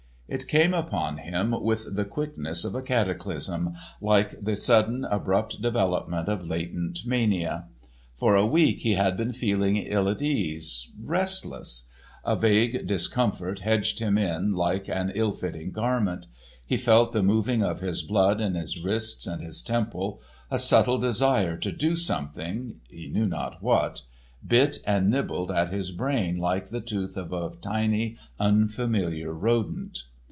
It came upon him with the quickness of a cataclysm, like the sudden, abrupt development of latent mania. For a week he had been feeling ill at ease—restless; a vague discomfort hedged him in like an ill fitting garment; he felt the moving of his blood in his wrists and his temples. A subtle desire to do something, he knew not what, bit and nibbled at his brain like the tooth of a tiny unfamiliar rodent.